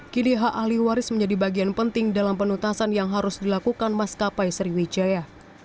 gdh ahli waris menjadi bagian penting dalam penutasan yang harus dilakukan mas kapai sriwijaya